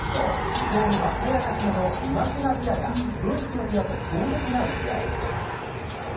伊藤美誠・早田ひなのみまひなペアが、ドイツのペアと壮絶な打ち合い。